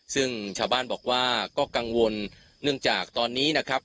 ซึ่งชาวบ้านบอกว่าก็กังวลเนื่องจากตอนนี้นะครับ